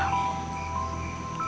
yang akan mempersatukan tanah sunda